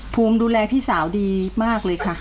ภูมิดูแลพี่สาวดีมากเลยค่ะ